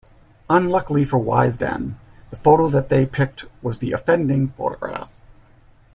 Unluckily for Wisden, the photo that they picked was the offending photograph.